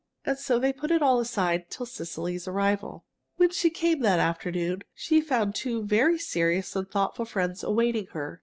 And so they put it all aside till Cecily's arrival. When she came, that afternoon, she found two very serious and thoughtful friends awaiting her.